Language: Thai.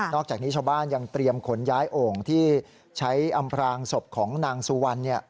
อกจากนี้ชาวบ้านยังเตรียมขนย้ายโอ่งที่ใช้อำพรางศพของนางสุวรรณ